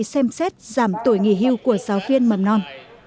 xem xét giảm tuổi nghỉ hưu của giáo viên mầm non